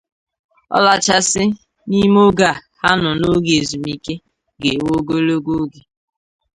ọlachasị n'ime oge a ha nọ n'oge ezumike ga-ewe ogologo oge.